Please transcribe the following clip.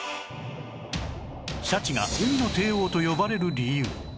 シャチが「海の帝王」と呼ばれる理由